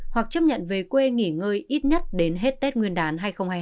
hoặc chấp nhận về quê nghỉ ngơi ít nhất đến hết tết nguyên đán hai nghìn hai mươi hai